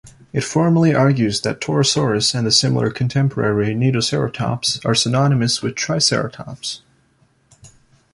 It formally argues that "Torosaurus" and the similar contemporary "Nedoceratops" are synonymous with "Triceratops".